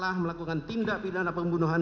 telah melakukan tindak pidana pembunuhan